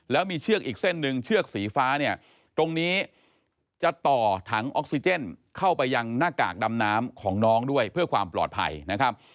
แล้วมีเชือกอีกเส้นหนึ่งเชือกสีฟ้าเนี่ยตรงนี้จะต่อถังออกซิเจนเข้าไปยังหน้ากากดำน้ำของน้องด้วยเพื่อความปลอดภัยนะครับ